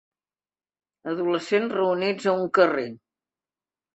Adolescents reunits a un carrer.